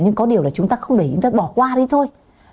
nhưng có điều là chúng ta không để chúng ta bỏ qua đi thôi